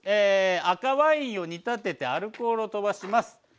赤ワインを煮立ててアルコールをとばします。